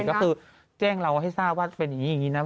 ก็คือแจ้งเราให้ทราบว่าจะเป็นอย่างนี้นะ